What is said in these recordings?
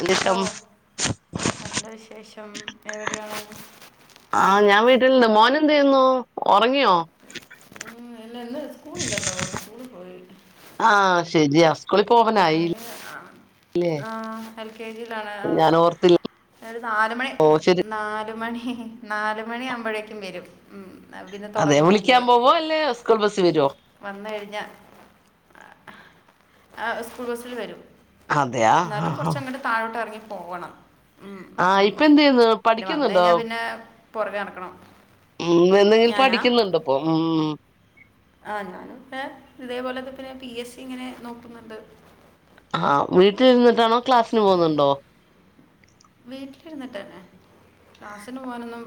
എന്നിട്ടും കേക്കാവോ നല്ല വിശേഷം എവിടെയാണ് ആ ഞാൻ വീട്ടിലിണ്ട് മോനെന്ത് ചെയ്യുന്നു ഒറങ്ങിയോ? ഉം അല്ലെന്ന് സ്കൂളുണ്ടല്ലോ സ്കൂളി പോയി ആ ശരിയാ സ്കൂളിൽ ഏ പോവാനായില്ലേ ആ എൽ കെ ജിയിലാണ് ഞാൻ ഓർത്തില്ല ഒരു നാലുമണി ഓ ശരി നാല് മണി നാലുമണി ആവുമ്പോഴേക്കും വരും ഉം ന്നാ പിന്നെ തുടങ്ങും പുകില് കൂൾ ബസ് വരുവോ? വന്ന് കഴിഞ്ഞാ ആ സ്കൂൾ ബസില് വരും അതെയാ ന്നാലും ആഹ് കുറച്ചങ്ങ്ട് താഴോട്ട് എറങ്ങി പോകണം ഉം, ആ ഉം. ഇപ്പെന്ത് ചെയ്യുന്നു പഠിക്കുന്നുണ്ടോ? പൊറകെനടക്കണം ഉം എന്നാ ഞാൻ പഠിക്കുന്നു പ്പൊ ഉം ആ ഞാന് പ്പെ ഇതേപോലെക്കെത്തന്നെ പി എസ് സി ഇങ്ങനെ നോക്കുന്നുണ്ട് ആ വീട്ടിലിരുന്നിട്ടാണോ ക്ലാസ്സിന് പോകുന്നുണ്ടോ? വീട്ടിലിരുന്നിട്ടന്നെ ക്ലാസ്സിന് പോകാനൊന്നും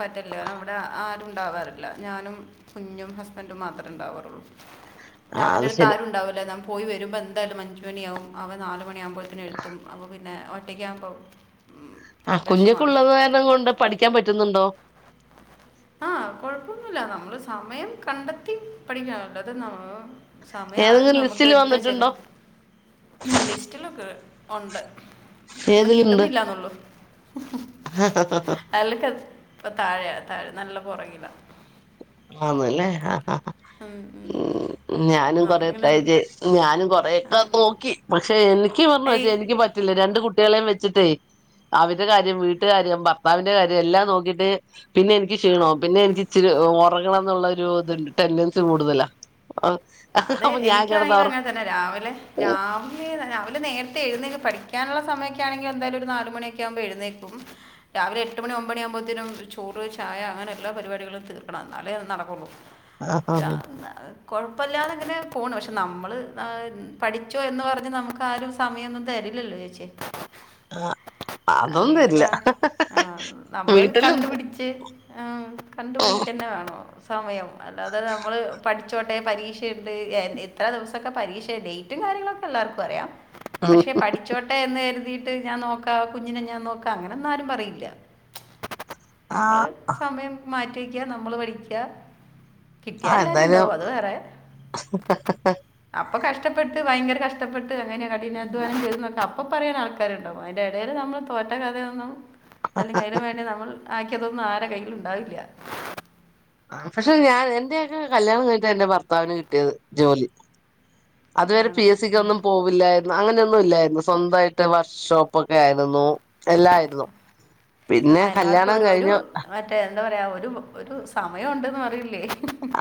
പറ്റില്ല അവിടെ ആരുണ്ടാവാറില്ല ഞാനും കുഞ്ഞും ഹസ്ബന്റും മാത്രെ ഉണ്ടാകാറുള്ളു പിന്നെ ആഹ് അവന്റെ അത് അടുത്ത് ശരി ആരുണ്ടാവൂല ഞാൻ പോയി വരുമ്പോ എന്തായാലും അഞ്ചുമണിയാവും അവ നാലുമണിയാകുമ്പോഴെത്തിന് എത്തും അപ്പൊ പി ന്നെ ഒറ്റക്ക് ആയിപോവും ആ കുഞ്ഞിക്കുള്ളത് കാരണം കൊണ്ട് പഠിക്കാൻ പറ്റുന്നുണ്ടോ? [inaudible] ആ കൊഴപ്പൊന്നുല്ല നമ്മള് സമയം കണ്ടെത്തി പഠിക്കാണല്ലോ അതെന്നാ സമയം ആരും ഏതെങ്കിലും നമ്മുക്ക് ലിസ്റ്റിൽ എടുത്ത് ചെല വന്നിട്ടുണ്ടോ ലിസ്റ്റിലൊക്കെ ഒണ്ട് ഒന്നും ഏതിലുണ്ട് കിട്ടുന്നില്ലാന്നൊള്ളു [unintelligible] താഴെയ താഴെ നല്ല പുറകില ആന്ന് ല്ലേ ആ ഹാ ഹാ ഉം ഞാനും കൊറെ നമ്മളിങ്ങനെ ട്രൈ ചെയ് ഞാനും കൊറെയൊക്കെ നോക്കി പക്ഷെ എനിക്ക് പറഞ്ഞു വച്ചേ അതിന് എനിക്ക് പറ്റില്ല രണ്ട് കുട്ടികളെയും വെച്ചിട്ടേ- അവരെ കാര്യം വീട്ട് കാര്യം ഭർത്താവിന്റെ കാര്യം എല്ലാം നോക്കിട്ട് പിന്നെ എനി ക്കി ക്ഷീണോം പിന്നെ എനിക്ക് ഇച്ചിരി ഉറങ്ങണംന്നുള്ളൊരു ത്ണ്ട് ടെൻഡൻസി കൂടുതലാ അത് അപ്പൊ ഞാൻ കിടന്ന് എനിക്കാണെങ്കിലും ഉറ അങ്ങനെ തന്നെ രാവിലെ രാ രാവിലെ നേരത്തെ എഴുന്നേറ്റ് പഠിക്കാനുള്ള സമയൊക്കെ ആണെങ്കി എന്തായാലും ഒരു നാലുമണിയൊക്കെ ആകുമ്പോ എഴുന്നേക്കും രാവിലെ എട്ട് മണി ഒമ്പണിയകുമ്പോഴത്തേും ചോറ് ഛായ അങ്ങനെ എല്ലാ പരിപാടികളും തീർക്കണംഎന്നാലേ നടക്കുള്ളൂ രാ ന്നാല് കൊഴ പ്പല്ലാതെങ്ങനെ പോണു പക്ഷെ നമ്മള് പഠിച്ചോ എന്ന് പറഞ്ഞ് നമുക്ക് ആരും സമയൊന്നും തരില്ലല്ലോ ചേച്ചി [inaudible] അത് അതൊന്നും ഇല്ല വീട്ടിലാ ആ നമ്മള് വീട്ടിലുണ്ട് കണ്ടുപിടിച്ച് ഉം കണ്ടുപിടിക്കന്നെ വേണം സമയം അല്ലാതെ നമ്മൾ പഠിച്ചോട്ടെ പരീ [unintelligible] എത്ര ദിവസൊക്കെ പരീക്ഷ ഡേറ്റും കാര്യങ്ങളൊക്കെ എല്ലാവർക്കും അറിയാം പക്ഷെ പഠിച്ചോട്ടെ എന്ന് കരുതി ട്ട് ഞാൻ നോക്കാം കുഞ്ഞിനെ ഞാൻ നോക്കാം അങ്ങനെന്നാരും പറയില്ല നമ്മള് ആ സമയം മാറ്റി വെക്കുക നമ്മള് പഠിക്കുക കിട്ടിയാൽ ആഹ് എല്ലാവരും എന്തായാലും ഉണ്ടാവും അത് വേറെ അപ്പൊ കഷ്ടപ്പെട്ട് ഭയങ്കര കഷ്ടപ്പെട്ട് അങ്ങനെ കഠിനാധ്വാനം ചെയ്ന്നൊക്കെ അപ്പോ പറയൻ ആൾക്കാരുണ്ടാകും അതിന്റെ എടയിൽ നമ്മള് തോറ്റകഥയൊന്നും അല്ലെങ്കിൽ അതിന് വേണ്ടി നമ്മൾ ആക്കിതൊന്നും ആരെ കയ്യില്ണ്ടാവില്ല ആഹ് പക്ഷെ ഞാൻ എന്റെയൊക്കെ കല്യാണം കഴിഞ്ഞിട്ട് എന്റെ ഭർത്താവിന് കിട്ടിയത് ജോലി അതുവരെ പി ആണോ എസ് സിക്ക് ഒന്നും പോവും ഇല്ലായിരുന്നു അങ്ങനെയൊന്നും ഇല്ലായിരുന്നു സ്വന്തായിട്ട് വർക്ക്ഷോപ്പ് ഒക്കെ ആയിരുന്നു എല്ലായിരുന്നു പിന്നെ ആഹ് എല്ലാവർക്കും കല്യാണം ഒരു ഒരു കഴിഞ്ഞു മറ്റേ എന്താ പറയാ ഒരു ഒരു സമയം ഉണ്ടെന്ന് പറയില്ലേ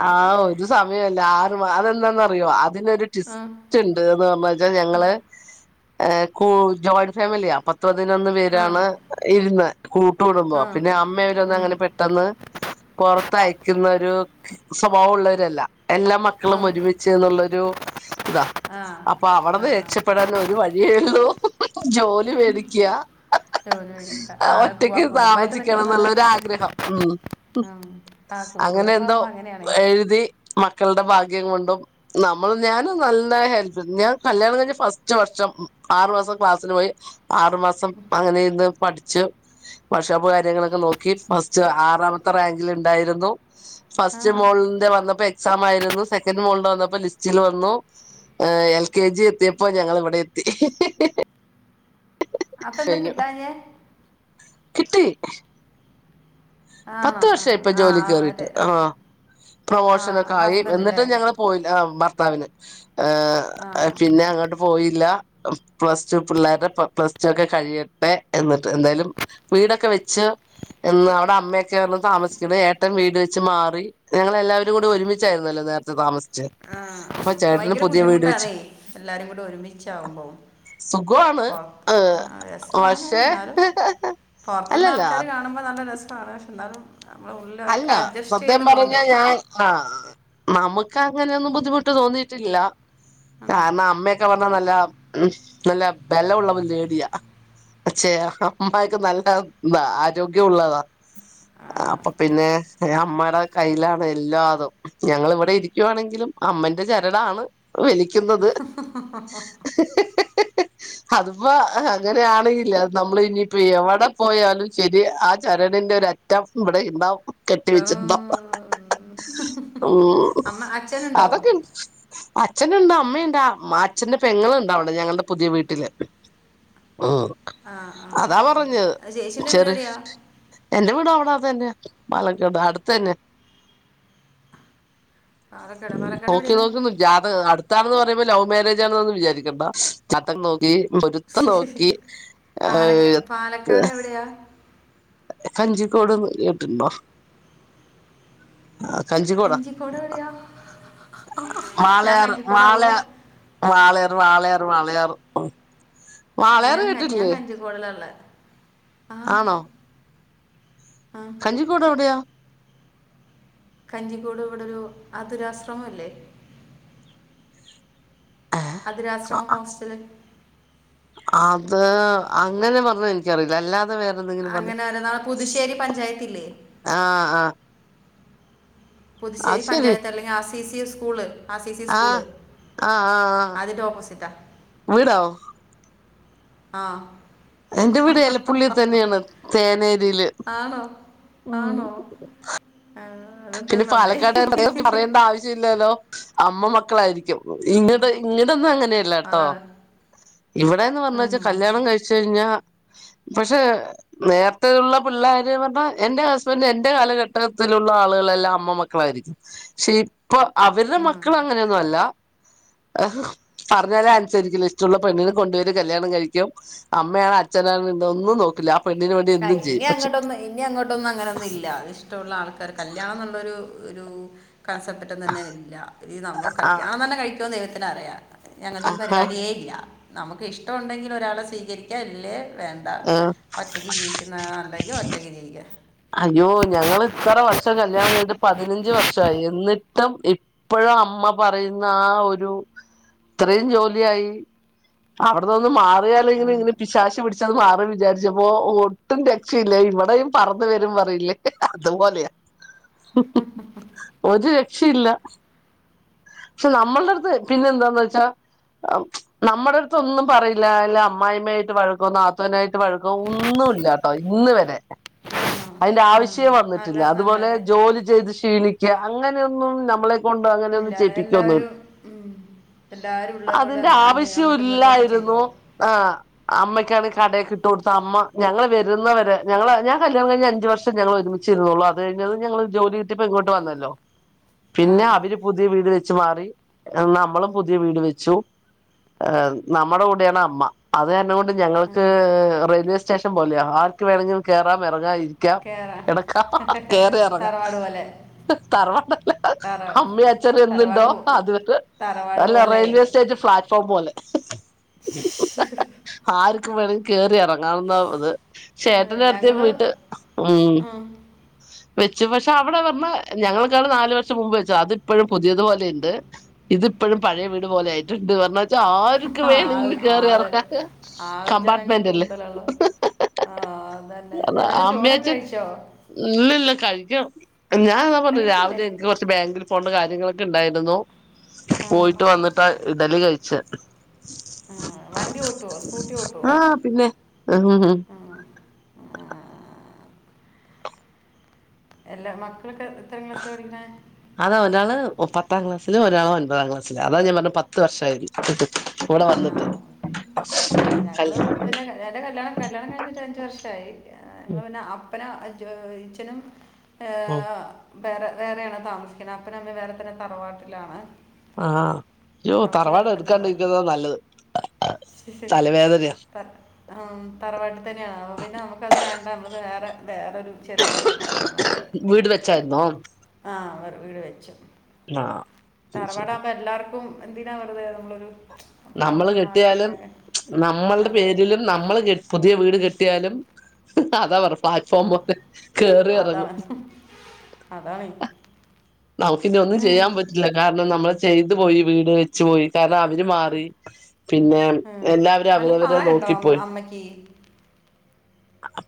ആഹ് ഒരു സമയോല്ല ആറ് അതെന്താന്നറിയോ അതിനരു ട്വിസ് ഉം. റ്റ്ണ്ട്ന്ന്, ന്ന് പറച്ചാ ഞങ്ങള് കൂ ജോയിൻ ഫാമിലിയാ പ പതിനൊന്ന് പേരാണ് ഇര്ന്നെ കൂട്ട് കുടുബാ പിന്നെ അമ്മ ഇവരൊന്നൊ അങ്ങനെ പെ ട്ടന്ന് പൊറത്ത അയക്കുന്നൊ ഒരു സ്വഭാവ ഉള്ളവരല്ല എല്ലാ മക്കളും ഒരുമിച്ച് എന്നുള്ളൊരു ഇതാ ആ അപ്പൊ അവടന്ന് രക്ഷ പെട്ടാന്നൊരു വഴിയേ ഒള്ളൂ ജോലി വേടിക്കാ ജോലി മേടിക്കുക ആ കു- ആ ഒറ്റക്ക് കുടുംബമായിട്ട് താമസിക്കണം നിൽക്കുമ്പോഴേ ന്ന്ള്ളര് ആഗ്രഹം ഉം ആ അങ്ങനെ കൂട്ടുകുടുംബം എന്തോ ആകുമ്പോൾ അങ്ങനെയാണേ എഴുതി മക്കളുടെ ഭാഗ്യം കൊണ്ടും നമ്മള് ഞാനും നല്ലെ ഹെല്പ് ഞാൻ കല്യാണം കഴിഞ് ഫസ്റ്റ് വർഷം ഉം ആറു മാസം ക്ലാസ്സിന് പോയി ആറു മാസം അങ്ങനെ ഇരിന്ന് ഇന്ന് പഠിച് വർഷാപ്പ് കാര്യങ്ങളൊക്കെ നോക്കി ഫസ്റ്റ് ആറാമത്തെ റാങ്കിൽ ഇണ്ടായിരുന്നു ആ ഫസ്റ്റ് മോൾന്റെ വന്നപ്പോ എക്സാം ആയിരുന്നു സെക്കന്റ് മോൾടെ വന്നപ്പോ ലിസ്റ്റിൽ വന്നു ഏ എൽ കെ ജി എത്തിയപ്പോ ഞങ്ങള് ഇവിടെ എത്തി അപ്പൊ എന്താ കഴിഞ്ഞു കിട്ടാഞ്ഞേ കിട്ടി ആണോ പത്ത് ആ വർഷായി ഇപ്പൊ ആ, ജോലി ആ കേറീട്ട് മറ്റേ ആഹ് ആ പ്രൊമോഷനൊക്കെ ആയി ഹസ്ബൻഡ് അല്ലേ എന്നിട്ടും ഞങ്ങള് പോയില്ല ഭർത്താവിന് ആ ഹ് ആ. പിന്നെ അങ്ങോട്ട് പോയില്ല പ്ലസ് ടു പിള്ളേരുടെ പ്ലസ് ടു ഒക്കെ കഴിയട്ടെ എന്നിട്ട് എന്തായാലും വീടൊക്കെ വെച്ച് എന്ന് അവിടെ അമ്മ ക്കേ വന്നു താമസിക്ണെ ഏട്ടൻ വീട് വെച്ച് മാറി. ഞങ്ങ എല്ലാവരും കൂടി ഒരുമിച്ചായിരുന്നല്ലോ നേരത്തെ താമസിച്ചെ. ആഹ് അപ്പൊ ആഹ് ചേട്ടന് ഭയങ്കര പുതിയ വീട് വെച്ച് ബുദ്ധിമുട്ടാണെ എല്ലാരും കൂടി ഒരുമിച്ചാവുമ്പോം സുഖമാണ് പോർത്ത് ഏഹ് ആഹ് രസാണ് പക്ഷേ എന്നാലും പൊർത്ത്ന്ന് അല്ലല്ല ആൾക്കാര് കാണുമ്പോൾ നല്ല രസാണ് പക്ഷെ എന്നാലും നമ്മളെ അല്ല ഉള്ളിലൊക്കെ അഡ്ജസ്റ്റ് സത്യം ചെയ്ത് പറഞ്ഞ പോണ്ടേ ഞാൻ ആഹ് നമ്മുക്ക് അങ്ങനെയൊന്നും ബുദ്ധിമുട്ട് തോന്നിയിട്ടില്ല ആണോ കാരണം അമ്മ ക്കെ പറഞ്ഞാ നല്ല ഉം നല്ല ബല ഉുള്ള ഒ ലേഡിയാ പക്ഷേ അമ്മായിക്ക് നല്ല ന്താ ആരോഗ്യ ഒള്ളതാ ആഹ് പ അമ്മാടെ കയ്യിലാണ് എല്ലാ അതും ഞങ്ങള് ഇവിടെ ഇരിക്കുവാണെങ്കിലും അമ്മന്റെ ചരടാണ് വലിക്കുന്നത് അതിപ്പോ അങ്ങനെയാണെങ്കില് നമ്മള് ഇനിയിപ്പോ എവിടെ പോയാലും ശരി ആ ചരട്ടിന്റെ ഒരു അര റ്റം ഇവിടെ ഇണ്ടാവും. കെട്ടി വച്ചിട്ട് ണ്ടം, ഉം. ഉം അമ്മ അച്ഛനുണ്ടോ അതൊക്കെ അച്ഛനുണ്ട് അമ്മയ്ണ്ട് മ്മ അച്ഛന്റെ പെങ്ങളുണ്ട് അവിടെ ഞങ്ങളുടെ പുതിയ വീട്ടില് ഉം അതാ പറഞ്ഞത് ചേച്ചിൻ്റെ വീട് ചെറി എവിടെയാ എന്റെ വീട് അവിടാ തെന്നെ പാലക്കാട് അട്ത്ത് തന്നെ പാലക്കാട് ഉം പാലക്കാട് നോക്കി എവിടെയാ നോക്കുന്നു ജാതക അടുത്താണെന്ന് പറയുമ്പോ ലവ് മാരേജാണ്നൊന്നും വിചാരിക്കണ്ട ചട്ടം നോക്കി പൊരുത്തം നോക്കി അഹ് പാലക്കാട് എത്ത് പാലക്കാട് എവിടെയാ കഞ്ചിക്കോട്ന്ന് കേട്ടിണ്ടോ ആ കഞ്ചിക്കോട കഞ്ചിക്കോട് എവിടെയാ ഞാൻ വാളയാറ് വാള ള കഞ്ചിക്കോടാണല്ലോ വാളയാറ് വാളയാറ് വാളയാറ് ഞാൻ ഞാൻ കഞ്ചിക്കോടിലള്ളെ ആഹ് ആണോ ആഹ് കഞ്ചിക്കോട് എവിടെയാ കഞ്ചിക്കോട് ഇവിടെ ഒരു അധുരാശ്രമം ഇല്ലേ അതുരാശ്രമ ഹോസ്റ്റല് അത് അങ്ങനെ പറഞ്ഞ എനിക്കറിയില്ല അല്ലാതെ വേറെ അങ്ങനെ അരനാള് പുതുശ്ശേരി പഞ്ചായത്തില്ലേ ആഹ് ആഹ് പുതുശേരി അത് ശരി പഞ്ചായത്ത് അല്ലെങ്കിൽ R C C school R C C school ആഹ് ആഹ് ആഹ് അതിന്റെ ഓപ്പോസിറ്റാ വീടോ ആഹ് എന്റെ വീട് എലപ്പുള്ളി തന്നെയാണ് തേനേരിയില് ആണോ ആന്നോ ആഹ് പിന്നെ പാലക്കാട് പ്രത്യേകം പറയേണ്ട ആവശ്യം ഇല്ലല്ലോ അമ്മ മക്കളായിരിക്കും. ഉം, ഇങ്ങടെ ഇങ്ങടെ ഒന്നും അങ്ങനെയല്ലട്ടോ അതാണ് ഇവിടെന്ന് പറഞ്ഞ് വച്ചാ ഉം. കല്യാണം കഴിച്ച് കഴിഞ്ഞാ പക്ഷേ നേരത്തേയുള്ള പിള്ളാര് പറഞ്ഞാ എന്റെ ഹസ്ബൻഡ് എന്റെ കാലഘട്ടത്തിലു ള്ള ആളുകളെല്ലാം അമ്മ മക്കളായിരിക്കും പക്ഷെ ഇപ്പൊ അവരുടെ മക്കളങ്ങനെയൊന്നും അല്ല പറഞ്ഞാലെ അനുസരിക്കില്ല ഇഷ്ടമുള്ള പെണ്ണിനെ കൊണ്ട് വരും കല്യാണം കഴിക്കും. അമ്മയാണ് അച്ഛനാണ് ഒന്നും നോക്കില്ല പെണ്ണിന് വേണ്ടി ആഹ് എന്തും ഇനി ചെയ്യും പക്ഷെ അങ്ങോട്ടൊന്നും ഇനി അങ്ങോട്ടൊന്നും അങ്ങനൊന്നുല്ല ഇഷ്ടമുള്ള ആൾക്ക് ഇപ്പൊരു കല്യാണം എന്നുള്ളൊരു ഒരു കൺസെപ്റ്റ് ഒട്ടും തന്നെ ഇല്ല ഈ നമ്മ ആ കല്യാണം തന്നെ കഴിക്കോന്ന് ദൈവത്തിന് അറിയാം ഇനി അങ്ങനത്തൊരു ആഹാ പരിപാടിയേ ഇല്ല. നമുക്ക് ഇഷ്ടമുണ്ടെങ്കിൽ ഒരാളെ സ്വീകരിക്കാ ഇല്ലേ വേണ്ട ആഹ് ഒറ്റയ്ക്ക് ജീവിക്കുന്നതാ നല്ലതെങ്കി ഒറ്റയ്ക്ക് ജീവിക്ക അയ്യോ ഞങ്ങള് ഇത്ര വർഷം കല്യാണം കഴിഞ്ഞട്ട് പതിനഞ്ച് വർഷായി എന്നിട്ടും ഇപ്പൊ ഇപ്പഴും അമ്മ പറയുന്ന ആഹ് ഒരു ഇത്രയും ജോലിയായി അവിടന്നന്ന് മാറിയാല്ലെങ്കിലും ഇങ്ങനെ പിശാശി പിടിച്ചത് മാറും വിചാരിച്ചപ്പോ ഒ ട്ടും രക്ഷയില്ല ഇവിടെയും പറന്ന് വരും പറയില്ലേ അതുപോലെയ ഹും ഹും ഹും ഒരു രക്ഷയില്ല പക്ഷെ നമ്മളുടെ അടുത്ത് പിന്നെ എന്താന്ന് വെച്ചാ നമ്മുടെ അടുത്തൊന്നും പറയില്ല അമ്മായിമ്മയായിട്ട് വഴക്കോ നാത്തൂനായിട്ട് വഴക്കോ ഒന്നുല്ല. ആഹ് ഇന്ന് വരെ അയിന്റെ ആ, ആവശ്യേ ആ, നല്ല വന്നിട്ടില്ല അതുപോലെ നല്ലവരെ ജോലി ചെയ്ത് ക്ഷീണിക്ക അങ്ങനെയൊന്നും നമ്മളെ ക്കൊണ്ട് അങ്ങനെ ഒന്നും ഇല്ല ചെയ്യിപ്പിക്കൊന്നു എല്ലാവരും ഉം, എല്ലാവരും ഉള്ളതും കൂടെ അതിന്റെ അങ്ങ് അങ്ങ് ആവശ്യോം അങ്ങോട്ടും ഇങ്ങോട്ടും ഒക്കെ ഇല്ലായിരുന്നു. ചെയ്തോളൂ ആഹ് അമ്മയ്ക്കാണെ കടയക്കെ ഇട്ട് കൊടുത്ത അമ്മ ഞങ്ങള് വരുന്നവരെ ഞങ്ങള് ഞാ കല്യാണം കഴിഞ്ഞഞ്ച് വർഷം ഞങ്ങൾ ഒരുമിച്ചിരുന്നുള്ളൂ അത് കഴിഞ്ഞത് ഞങ്ങള് ജോലി കിട്ടിയപ്പോ ഇങ്ങോട്ട് വന്നല്ലോ പിന്നെ അവര് പുതിയ വീട് വെച്ച് മാറി പിന്നെ നമ്മളും പുതിയ വീട് വെച്ചു. ഏഹ് നമ്മുടെ കൂടെയാണ് അമ്മ. അത് കാരണം കൊണ്ട് ഞങ്ങൾക്ക് റെയിൽവേ സ്റ്റേഷൻ പോലെയോ ആർക്ക് വേണങ്കിലും കേറാം എറങ്ങാ ഇ ക്കാം കേറാ കെടക്കാം കേറി എറങ്ങാം. തറവാട് പോലെ തറവാടല്ല തറ അമ്മീം അച്ചനും തറവാട് എന്ന്ണ്ടോ പോ അത് വരെ. തറവാട് അല്ല പോലെ റെയിൽവേ സ്റ്റേഷൻ പ്ലാറ്റ്ഫോം പോലെ. [inaudible] ആർക്കും വേണങ്കി കേറി എറങ്ങാവുന്നത്. ആഹ് ഞങ്ങള് ആഹ് വെച്ചു പക്ഷെ അവിടെ പറഞ്ഞ ഞങ്ങൾക്കാള് നാല് വർഷം മുമ്പ് വെച്ചതാ അത് ഇപ്പഴും പുതിയതുപോലെ ഇണ്ട്. ഇതിപ്പഴും പഴയ വീട് പോലെ ആയിട്ടുണ്ട് പറഞ്ഞാ ആർക്ക് ആൾ വേണങ്കിലും കേറി ആള് എറങ്ങാ കമ്പാർട്ട്മെന്റ്ല്ലേ ആഹ് അതന്നെ എന്നിട്ട് ചോറൊക്കെ കഴിച്ചോ ഇല്ലല്ല കഴിക്കണം ഞാനതാ പറഞ്ഞു കഴിച്ചില്ലേ രാവിലെ എനിക്ക് കൊറച്ച് ബാങ്കിൽ പോണ്ട കാര്യങ്ങളൊക്കെ ഉണ്ടായിരുന്നു ആ പോയിട്ട് വന്നിട്ട് ഇഡലി കഴിച്ച് ആഹ് വണ്ടി ഓട്ടോ സ്കൂട്ടി ഓട്ടോ ആഹ് പിന്നെ ആ. എല്ലാ മക്കളൊക്കെ എത്രാം ക്ലാസിലാ പഠിക്കണേ അതോ ഒരാള് പത്താം ക്ലാസില് ഒരാള് ഒൻപതാം ക്ലാസ്സില് അതാ ഞാൻ പറഞ്ഞേ പത്ത് വർഷായിന്ന് കൂടെ ആ വന്നിട്ട് ആ ഞങ്ങള് [unintelligible] പിന്നെ എൻ്റെ കല്യാണം കല്യാണം കഴിഞ്ഞിട്ട് അഞ്ച് വർഷായി പിന്നെ അപ്പനും ജോ ഇച്ഛനും ഉം വേറെ വേറെയാണ് താമസിക്കുണെ അപ്പനും അമ്മേം വേറെ തന്നെ തറവാട്ടിലാണ് ആ യ്യോ അവർക്ക് വേറെ തറവാട് എടുക്കാണ്ടിരിക്കാ നല്ലത് തലവേദനയാ [unintelligible] തർ തറവാട്ട് തന്നെയാണ് പിന്നെ നമുക്കത് വേണ്ട നമ്മള് വേറെ വേറെരു ചെറിയ വീടെടുത്ത് ഞങ്ങളങ്ങോട്ട് വീട് മാറി വെച്ചായിരുന്നോ ആ വേറെ വീട് വെച്ചു ആഹ് ശരി ശരി തറവാടാവുമ്പോ എല്ലാർക്കും എന്തിനാ വെറുതെ നമ്മളൊരു നമ്മള് നമുക്കാകുമ്പോൾ കെട്ടിയാലും മാറിക്കഴിഞ്ഞാൽ നമ്മള്ടെ അതെ പേരിലും നമ്മള് കെ പുതിയ വീട് കെട്ടിയാലും അതാ വർ ആ, പ്ലാറ്റ്ഫോം പോലെ കേറി എറങ്ങും അതാണ് അതാണ് നമുക്കിനി ഒന്നും ഉം, ചെയ്യാൻ പറ്റ് ല്ല കാരണം നമ്മള് ചെയ്തു പോയി വീട് വെച്ച് പോയി കാരണം അവര് മാറി പിന്നെ ഉം. എല്ലാവരും നല്ല അവരവരെ പ്രായമുണ്ടോ അമ്മ- നോക്കിപ്പോയി അമ്മയ്ക്ക് അ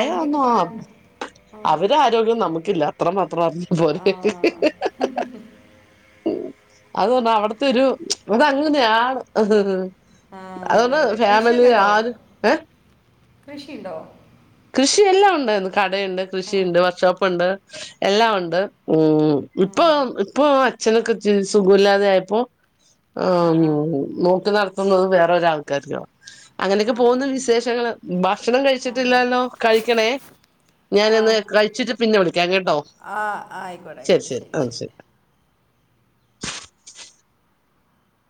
അമ്മയ്ക്കൊക്കെ പ്രായമുണ്ടോ ഒന്നും ആഹ് അവരെ ആരോഗ്യം നമുക്കില്ല അത്ര മാത്രം അറിഞ്ഞാ ആ, ആ, പോരെ [unintelligible] ഉം അത് പറഞ്ഞാ അവിടുത്തെരു അത് അങ്ങനെയാണ് ആ, അതെ അതുകൊണ്ട് അതെ ഫാമിലി ആരും ഏഹ് കൃഷി ണ്ടൊ കൃഷിയെല്ലാം ഒണ്ട് ന്ന് കടയുണ്ട് കൃഷിയുണ്ട് വർഷോപ്പ് ണ്ട് എല്ലാം ഒണ്ട് ഉം ഉം. ഇപ്പൊ ഇപ്പൊ അച്ഛനൊക്കെച്ചിരി സുഖുല്ലാതെ ആയപ്പോ ആ നോക്കി നടത്തുന്നത് വേറെരാൾക്കാർക്കാണ് അങ്ങനെയൊക്കെ ആ പോകുന്നു വിശേഷങ്ങള് ഭക്ഷണം ആ അതെ അതെ കഴിച്ചിട്ടില്ലാലോ കഴിക്കണേ ആ ഞാനേന്ന് കഴിച്ചിട്ട് പിന്നെ വിളിക്കാം കേട്ടോ ആ ആയിക്കോട്ടെ ശരി ആയിക്കോട്ടെ ശരി ശെരി ആ ശരി ശെരി